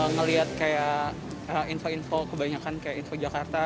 ngelihat kayak info info kebanyakan kayak info jakarta